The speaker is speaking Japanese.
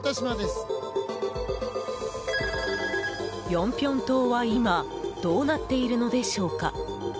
ヨンピョン島は今、どうなっているのでしょうか。